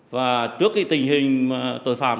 và trước tình hình tội phạm